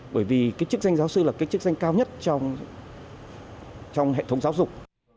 bởi vì cái chức danh giáo sư là cái chức danh cao nhất trong hệ thống giáo dục